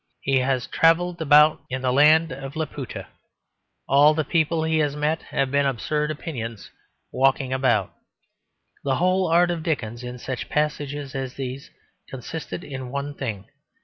He has travelled in the land of Laputa. All the people he has met have been absurd opinions walking about. The whole art of Dickens in such passages as these consisted in one thing.